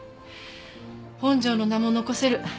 本庄の名も残せる。